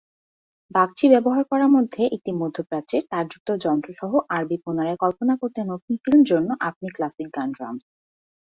বাগচী ব্যবহার করা মধ্যে, একটি মধ্যপ্রাচ্যের, তারযুক্ত যন্ত্র সহ আরবি পুনরায় কল্পনা করতে নতুন ফিল্ম জন্য আপনি ক্লাসিক গান ড্রামস।